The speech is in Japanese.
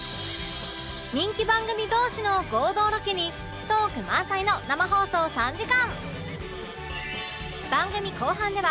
人気番組同士の合同ロケにトーク満載の生放送３時間